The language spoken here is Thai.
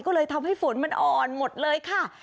ก็เลยทำให้ฝนมันอ่อนหมดเลยค่ะ